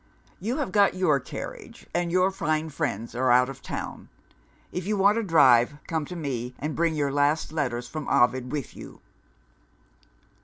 You have got your carriage and your fine friends are out of town. If you want a drive, come to me, and bring your last letters from Ovid with you."